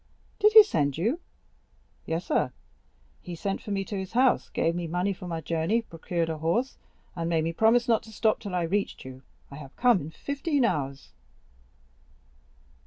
"Did he send you?" "Yes, sir; he sent for me to his house, gave me money for my journey, procured a horse, and made me promise not to stop till I had reached you, I have come in fifteen hours."